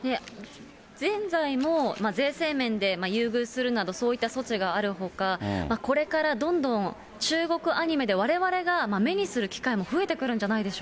現在も税制面で優遇するなど、そういった措置があるほか、これからどんどん、中国アニメでわれわれが目にする機会も増えてくるんじゃないでし